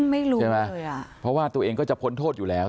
ไม่รู้ใช่ไหมเพราะว่าตัวเองก็จะพ้นโทษอยู่แล้ว